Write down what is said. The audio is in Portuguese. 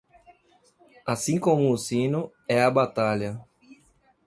Assim como o sino, é a batalha.